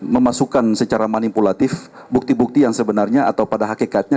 memasukkan secara manipulatif bukti bukti yang sebenarnya atau pada hakikatnya